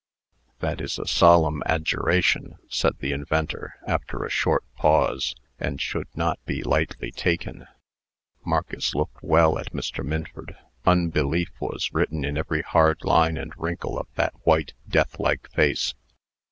"That is a solemn adjuration," said the inventor, after a short pause, "and should not be lightly taken." Marcus looked well at Mr. Minford. Unbelief was written in every hard line and wrinkle of that white, deathlike face.